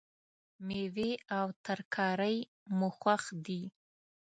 میوې او ترکاری مو خوښ دي